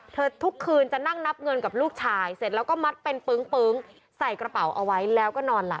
ทุกคืนจะนั่งนับเงินกับลูกชายเสร็จแล้วก็มัดเป็นปึ้งใส่กระเป๋าเอาไว้แล้วก็นอนหลับ